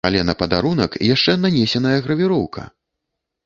Але на падарунак яшчэ нанесеная гравіроўка!